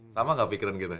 sama gak pikiran kita